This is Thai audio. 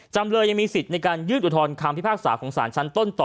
จำเลยยังมีสิทธิ์ในการยื่นอุทธรณคำพิพากษาของสารชั้นต้นต่อ